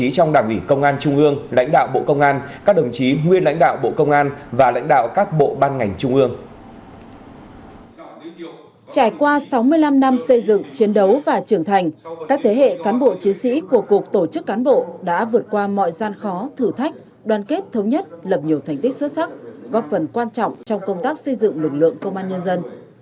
trải qua sáu mươi năm năm xây dựng chiến đấu và trưởng thành các thế hệ cán bộ chiến sĩ của cục tổ chức cán bộ đã vượt qua mọi gian khó thử thách đoàn kết thống nhất lập nhiều thành tích xuất sắc góp phần quan trọng trong công tác xây dựng lực lượng công an nhân dân